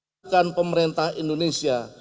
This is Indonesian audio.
yang telah diperlukan pemerintah indonesia